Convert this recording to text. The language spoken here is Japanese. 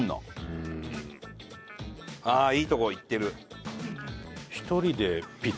うん。ああいいとこいってる。